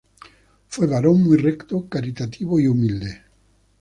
Fue varón muy recto, caritativo y humilde.